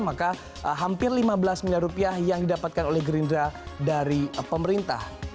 maka hampir lima belas miliar rupiah yang didapatkan oleh gerindra dari pemerintah